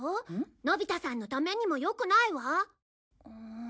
のび太さんのためにも良くないわ。